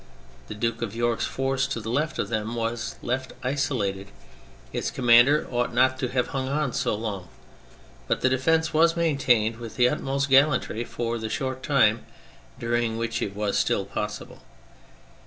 The Duke of York's force, to the left of them, was left isolated : its commander ought not to have hung on so long. But the defence was maintained with the utmost gallantry for the short time during which it was still possible.